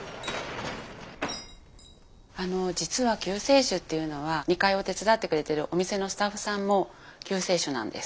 あの実は救世主っていうのは２階を手伝ってくれてるお店のスタッフさんも救世主なんです。